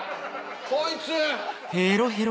こいつ。